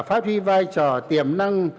phát huy vai trò tiềm năng